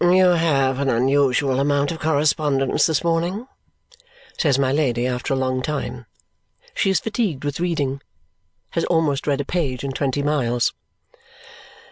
"You have an unusual amount of correspondence this morning?" says my Lady after a long time. She is fatigued with reading. Has almost read a page in twenty miles.